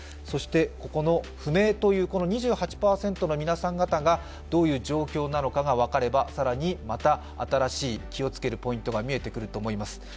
そしてこの不明という、２８％の皆さん方がどういう状況なのかが分かれば更にまた新しい気をつけるポイントが見えてくると思います。